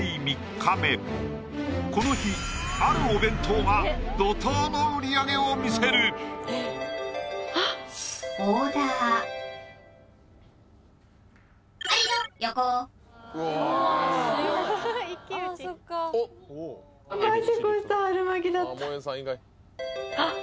３日目この日あるお弁当が怒涛の売り上げを見せるあっ「オーダー」あっ！